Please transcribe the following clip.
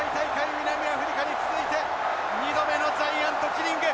南アフリカに続いて２度目のジャイアントキリング。